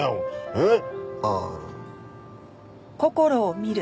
えっ？